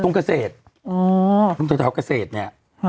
ตรงเกษตรตรงแถวเกษตรเนี่ย